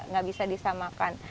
enggak bisa disamakan